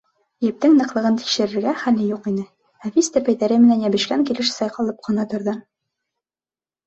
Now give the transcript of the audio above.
Ептең ныҡлығын тикшерергә хәле юҡ ине, нәфис тәпәйҙәре менән йәбешкән килеш сайҡалып ҡына торҙо.